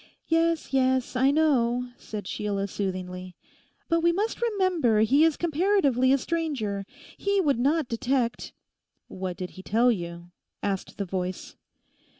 'Yes, yes, I know,' said Sheila soothingly; 'but we must remember he is comparatively a stranger. He would not detect—' 'What did he tell you?' asked the voice.